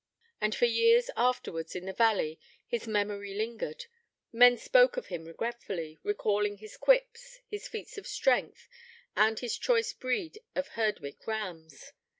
And for years afterwards, in the valley, his memory lingered: men spoke of him regretfully, recalling his quips, his feats of strength, and his choice breed of Herdwicke rams.